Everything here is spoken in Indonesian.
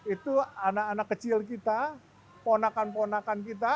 itu anak anak kecil kita ponakan ponakan kita